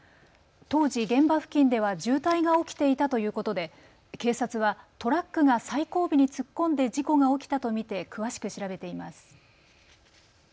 当時、現場付近では渋滞が起きていたということで警察はトラックが最後尾に突っ込んで事故が起きたと見て詳しく調べています。